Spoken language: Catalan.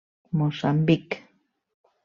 Moçambic.